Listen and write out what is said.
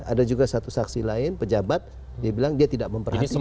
ada juga satu saksi lain pejabat dia bilang dia tidak memperhatikan